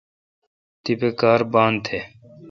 تیپہ کار بان تھ